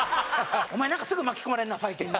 お前なんかすぐ巻き込まれるな最近な。